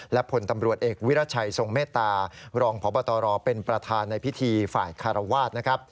และผลตำรวจเอกวิรัชัยทรงเมตตารองพบตรเป็นประธานในพิธีฝ่ายคารวาสนะครับ